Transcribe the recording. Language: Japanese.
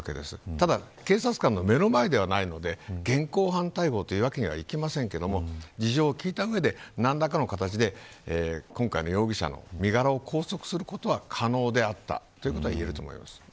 ただ警察官の目の前ではないので現行犯逮捕というわけにはいきませんが事情を聴いた上で、何らかの形で今回の容疑者の身柄を拘束することは可能であったといえます。